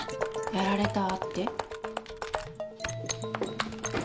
やられたって？